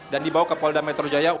dibawa ke polda metro jaya